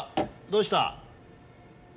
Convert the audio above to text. どうした？